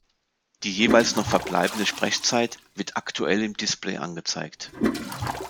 Die jeweils noch verbleibende Sprechzeit wird aktuell im Display angezeigt.